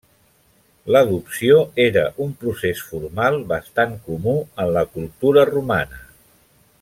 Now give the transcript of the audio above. L'adopció era un procés formal bastant comú en la cultura romana.